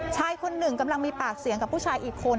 ชายคนหนึ่งกำลังมีปากเสียงกับผู้ชายอีกคน